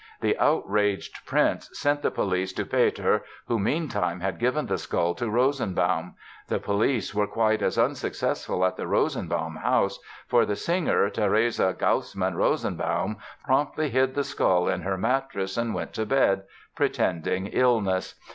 The outraged Prince sent the police to Peter, who, meantime had given the skull to Rosenbaum. The police were quite as unsuccessful at the Rosenbaum house, for the singer, Therese Gassmann Rosenbaum, promptly hid the skull in her mattress and went to bed, pretending illness.